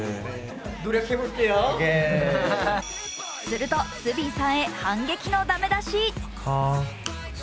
するとスビンさんへ反撃のダメ出し。